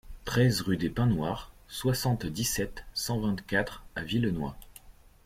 treize rue des Pins Noirs, soixante-dix-sept, cent vingt-quatre à Villenoy